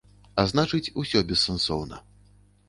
А значыць, усё бессэнсоўна.